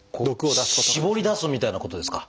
絞り出すみたいなことですか？